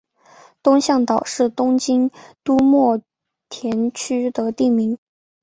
东向岛是东京都墨田区的地名。